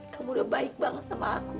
kamu udah baik banget sama aku